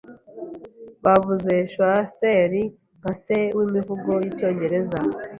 Bavuze Chaucer nka se w'imivugo y'Icyongereza.